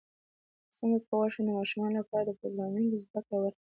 څنګه کولی شم د ماشومانو لپاره د پروګرامینګ زدکړه ورکړم